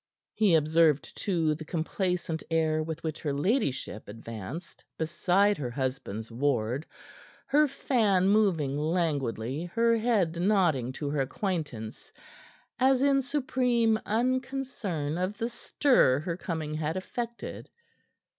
He observed, too, the complacent air with which her ladyship advanced beside her husband's ward, her fan moving languidly, her head nodding to her acquaintance, as in supreme unconcern of the stir her coming had effected.